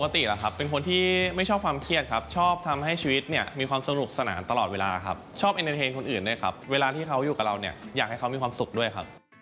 แต่ถ้าเขาอยู่กับเราอยากให้เขามีความสุขด้วยครับ